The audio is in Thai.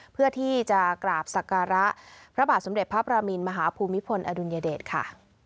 เพื่อที่จะกราบสักการะพระบาทสมเด็จพระประมินมหาภูมิพลอดุลยเดชค่ะ